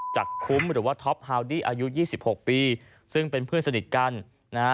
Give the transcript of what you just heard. จากคุ้มหรือว่าท็อปฮาวดี้อายุยี่สิบหกปีซึ่งเป็นเพื่อนสนิทกันนะฮะ